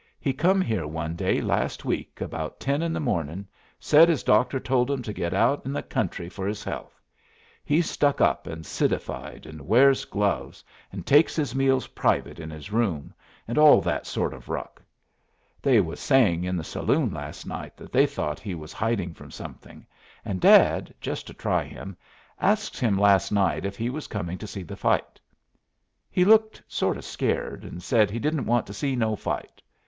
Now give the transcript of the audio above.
He come here one day last week about ten in the morning, said his doctor told him to go out 'en the country for his health. He's stuck up and citified, and wears gloves, and takes his meals private in his room, and all that sort of ruck. They was saying in the saloon last night that they thought he was hiding from something, and Dad, just to try him, asks him last night if he was coming to see the fight. He looked sort of scared, and said he didn't want to see no fight.